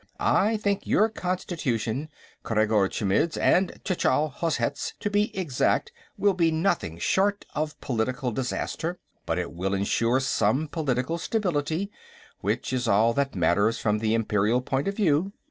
I think your constitution Khreggor Chmidd's and Tchall Hozhet's, to be exact will be nothing short of a political disaster, but it will insure some political stability, which is all that matters from the Imperial point of view.